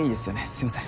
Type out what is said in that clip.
すみません。